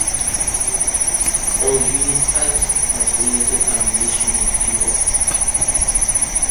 All unit types have limited ammunition and fuel.